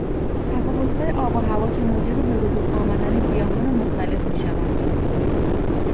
تفاوتهای آب و هوا که موجب بوجود آمدن گیاهان مختلف میشود.